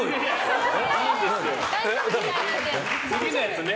次のやつね。